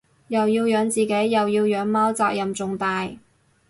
又要養自己又要養貓責任重大